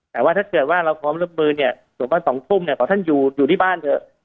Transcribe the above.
แต่ว่าถ้าเกิดว่าเราพร้อมรับมือเนี่ยสมมุติ๒ทุ่มเนี่ยขอท่านอยู่ที่บ้านเถอะ